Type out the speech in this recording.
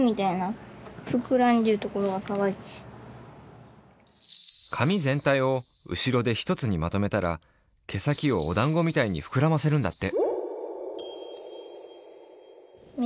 この髪ぜんたいをうしろで一つにまとめたら毛先をおだんごみたいにふくらませるんだって！